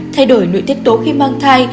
thay đổi nội tiết tố khi mang thai